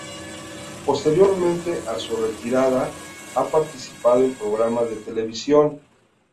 Posteriormente a su retirada ha participado en programas de televisión.